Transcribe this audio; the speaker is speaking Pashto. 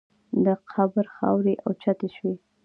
د قبر خاورې اوچتې شوې.